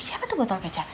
siapa tuh botol kecap